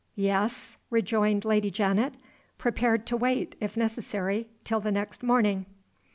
"Yes?" rejoined Lady Janet, prepared to wait (if necessary) till the next morning.